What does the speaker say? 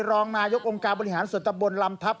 รองนายกองค์การบริหารส่วนตะบนลำทัพ